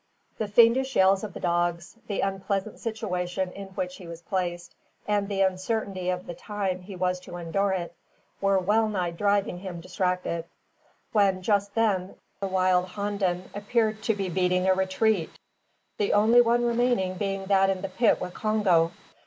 The fiendish yells of the dogs, the unpleasant situation in which he was placed, and the uncertainty of the time he was to endure it, were well nigh driving him distracted; when just then the wild honden appeared to be beating a retreat, the only one remaining being that in the pit with Congo.